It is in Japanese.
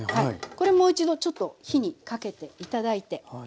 これもう一度ちょっと火にかけて頂いて。